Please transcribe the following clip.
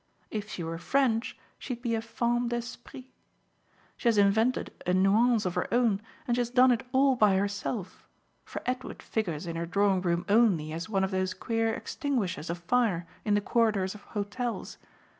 If she were French she'd be a femme d'esprit. She has invented a nuance of her own and she has done it all by herself, for Edward figures in her drawing room only as one of those queer extinguishers of fire in the corridors of hotels.